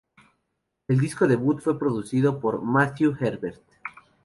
El disco debut fue producido por Matthew Herbert.